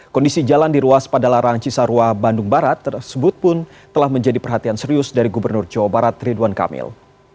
kondisi jalan di ruas padalarang cisarua bandung barat tersebut pun telah menjadi perhatian serius dari gubernur jawa barat ridwan kamil